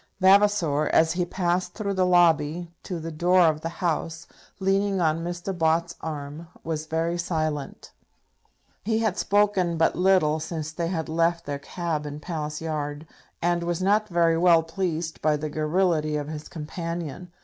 Vavasor, as he passed through the lobby to the door of the House, leaning on Mr. Bott's arm, was very silent. He had spoken but little since they had left their cab in Palace Yard, and was not very well pleased by the garrulity of his companion.